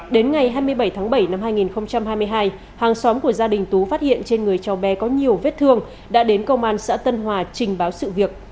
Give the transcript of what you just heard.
đến ngày hai mươi bảy tháng bảy năm hai nghìn hai mươi hai hàng xóm của gia đình tú phát hiện trên người cháu bé có nhiều vết thương đã đến công an xã tân hòa trình báo sự việc